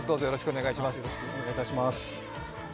よろしくお願いします。